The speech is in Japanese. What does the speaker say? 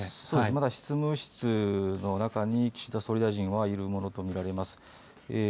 まだ、執務室の中に岸田総理大臣はいるものとみられます。